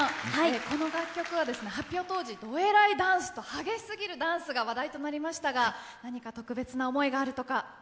この楽曲は発表当時、どえらいダンスと激しすぎるダンスが話題となりましたが、何か特別な思いがあるとか？